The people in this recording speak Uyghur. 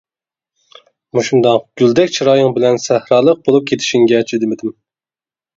مۇشۇنداق گۈلدەك چىرايىڭ بىلەن سەھرالىق بولۇپ كېتىشىڭگە چىدىمىدىم.